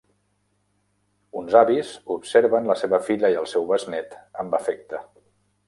Uns avis observen la seva filla i el seu besnét amb afecte.